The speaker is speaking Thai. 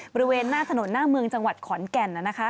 บริเวณหน้าถนนหน้าเมืองจังหวัดขอนแก่น